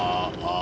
あ。